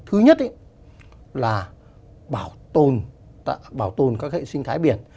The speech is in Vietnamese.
thứ nhất là bảo tồn các hệ sinh thái biển